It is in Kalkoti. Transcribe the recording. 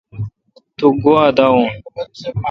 تو گوا دا وین۔